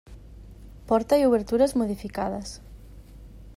Porta i obertures modificades.